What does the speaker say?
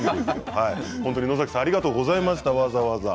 野崎さんありがとうございました。